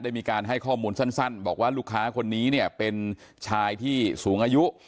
มีการให้ข้อมูลสั้นบอกว่าลูกค้าคนนี้เนี่ยเป็นชายที่สูงอายุ